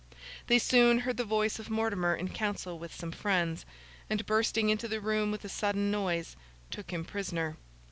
They soon heard the voice of Mortimer in council with some friends; and bursting into the room with a sudden noise, took him prisoner.